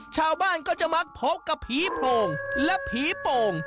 ชาวบ้านก็จะมักพบกับผีโพร่งและผีโป่ง